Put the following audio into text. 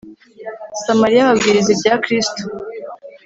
Samariya ababwiriza ibya Kristo